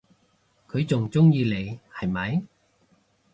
佢仲鍾意你係咪？